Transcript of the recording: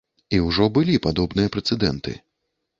І ўжо былі падобныя прэцэдэнты.